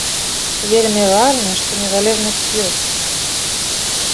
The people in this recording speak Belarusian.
Вельмі важна, што незалежнасць ёсць.